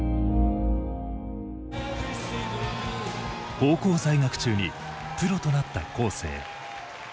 高校在学中にプロとなった恒成。